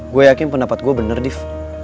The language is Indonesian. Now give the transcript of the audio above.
gue yakin pendapat gue bener deh